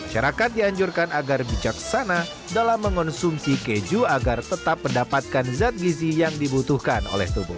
syarikat dianjurkan agar bijaksana dalam mengonsumsi keju agar tetap mendapatkan zat gizi yang dibutuhkan oleh tubuh